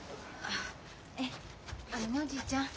あのねおじいちゃん